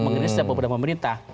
mengenai setiap program pemerintah